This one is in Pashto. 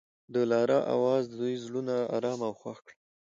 د لاره اواز د دوی زړونه ارامه او خوښ کړل.